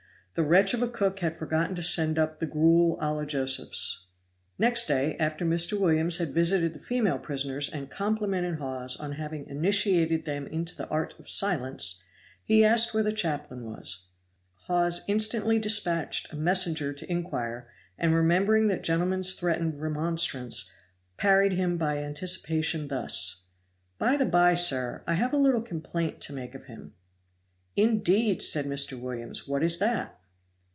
The wretch of a cook had forgotten to send up the gruel a la Josephs. Next day, after Mr. Williams had visited the female prisoners and complimented Hawes on having initiated them into the art of silence, he asked where the chaplain was. Hawes instantly dispatched a messenger to inquire, and remembering that gentleman's threatened remonstrance, parried him by anticipation, thus: "By the by, sir, I have a little complaint to make of him." "Indeed!" said Mr. Williams, "what is that?"